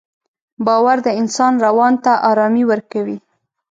باور د انسان روان ته ارامي ورکوي.